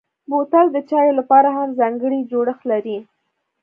بوتل د چايو لپاره هم ځانګړی جوړښت لري.